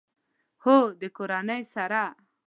هو، د کورنۍ سره